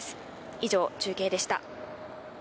以上、中継でした。